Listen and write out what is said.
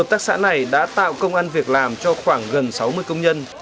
các xã này đã tạo công ăn việc làm cho khoảng gần sáu mươi công nhân